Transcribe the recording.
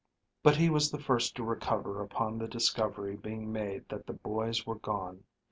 But he was the first to recover upon the discovery being made that the boys were gone.